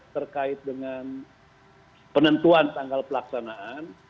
terkait dengan penentuan tanggal pelaksanaan